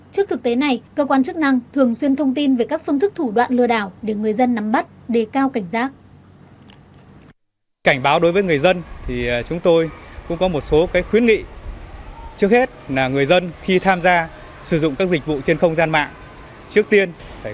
trước thực tế này các đối tượng đăng phát những quảng cáo mời trào với mục đích lừa đảo người dân